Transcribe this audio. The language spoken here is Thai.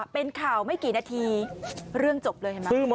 เป็นข่าวไม่กี่นาทีเรื่องจบเลยเห็นไหม